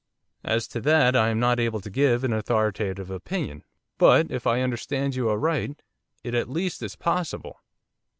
'As to that, I am not able to give an authoritative opinion, but, if I understand you aright, it at least is possible.